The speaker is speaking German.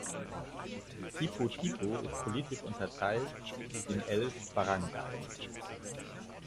Tipo-Tipo ist politisch unterteilt in elf Baranggays.